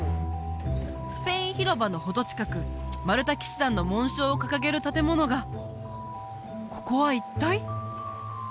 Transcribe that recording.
スペイン広場のほど近くマルタ騎士団の紋章を掲げる建物がここは一体！？